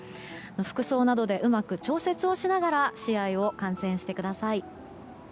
服装などでうまく調節をしながら試合を観戦してください。